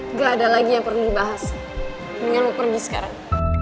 enggak ada lagi yang perlu dibahas dengan lo pergi sekarang